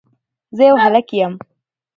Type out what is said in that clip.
زه يو هلک يم